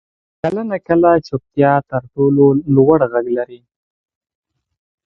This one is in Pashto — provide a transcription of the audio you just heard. دوی د خپلو ګاونډیانو سره نږدې اړیکې جوړوي.